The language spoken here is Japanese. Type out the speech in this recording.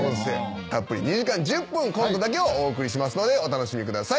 たっぷり２時間１０分コントだけをお送りしますのでお楽しみください。